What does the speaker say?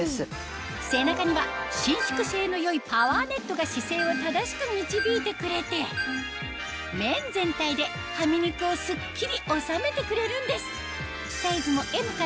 背中には伸縮性の良いパワーネットが姿勢を正しく導いてくれて面全体ではみ肉をスッキリ収めてくれるんです